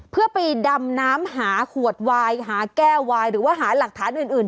เพื่อไปดำน้ำหาขวดวายหาแก้ววายหรือว่าหาหลักฐานอื่น